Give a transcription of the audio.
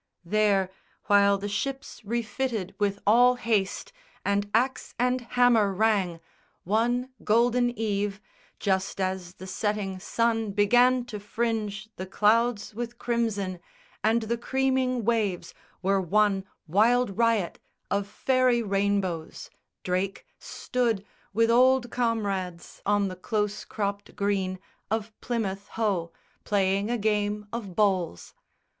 There, while the ships refitted with all haste And axe and hammer rang, one golden eve Just as the setting sun began to fringe The clouds with crimson, and the creaming waves Were one wild riot of fairy rainbows, Drake Stood with old comrades on the close cropped green Of Plymouth Hoe, playing a game of bowls.